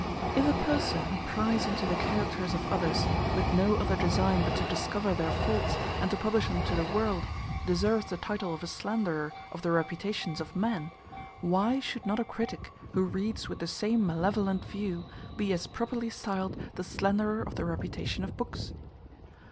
If a person who prys into the characters of others, with no other design but to discover their faults, and to publish them to the world, deserves the title of a slanderer of the reputations of men, why should not a critic, who reads with the same malevolent view, be as properly stiled the slanderer of the reputation of books?